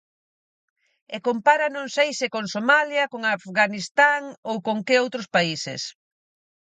E compara non sei se con Somalia, con Afganistán ou con que outros países.